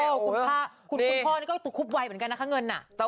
โอ้โหคุณพ่อก็ตกคุบไวเหมือนกันนะข้างเงิน